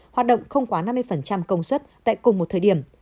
hoạt động không quá năm mươi công suất tại cùng một thời điểm